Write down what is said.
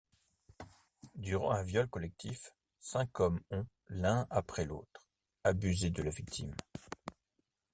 Durant un viol collectif, cinq hommes ont, l'un après l'autre, abusé de la victime.